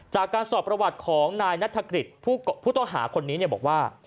จากการสอบประวัติของนายนัฐกฤษผู้ต้องหาคนนี้บอกว่า